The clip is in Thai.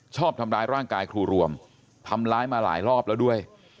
ชอบทำร้ายร่างกายครูรวมทำร้ายมาหลายรอบแล้วด้วย